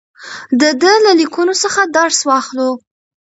د ده له لیکنو څخه درس واخلو.